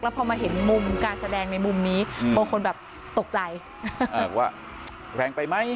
พอมาเห็นมุมการแสดงในมุมนี้บางคนแบบตกใจว่าแรงไปไหม